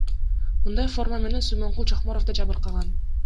Мындай форма менен Сүймөнкул Чокморов да жабыркаган.